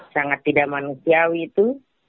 sangat tidak manusiawi itu